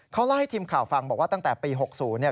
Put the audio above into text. เขาเล่าให้ทีมข่าวฟังบอกว่าตั้งแต่ปี๖๐เนี่ย